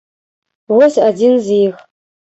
Вось адзін з іх.